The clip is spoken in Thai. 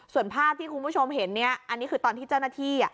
ส่วนภาพที่คุณผู้ชมเห็นเนี่ยอันนี้คือตอนที่เจ้าหน้าที่